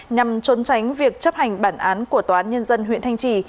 nhằm trốn tránh việc chấp hành bản án của tòa án nhân dân huyện thanh trì